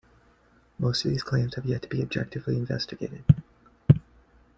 Most of these claims have yet to be objectively investigated.